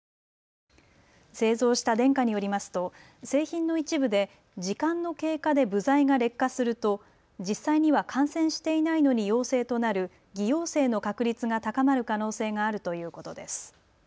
製造したデンカによりますと製品の一部で時間の経過で部材が劣化すると実際には感染していないのに陽性となる、偽陽性の確率が高まる可能性があるということです。